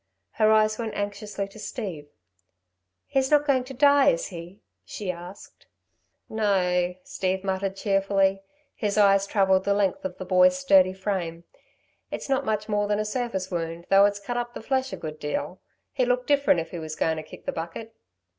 Her eyes went anxiously to Steve. "He's not going to die, is he?" she asked. "No," Steve muttered, cheerfully. His eyes travelled the length of the boy's sturdy frame. "It's not much more than a surface wound, though it's cut up the flesh a good deal. He'd look different if he was goin' to kick the bucket."